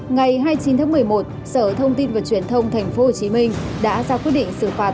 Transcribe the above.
ngày hai mươi chín tháng một mươi một sở thông tin và truyền thông tp hcm đã ra quyết định xử phạt